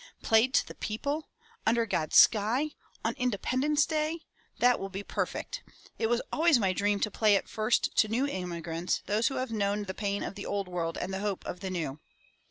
"Played to the people! Under God's sky! On Independence Day! That will be perfect! It was always my dream to play it first to new immigrants, those who have known the^ pain of the old world and the hope of the new."